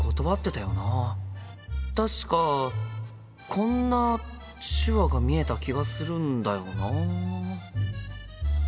確かこんな手話が見えた気がするんだよな。